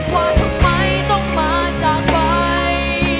ว่าทำไมต้องมาจากไป